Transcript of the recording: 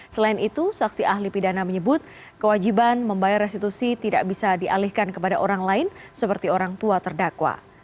selain itu saksi ahli pidana menyebut kewajiban membayar restitusi tidak bisa dialihkan kepada orang lain seperti orang tua terdakwa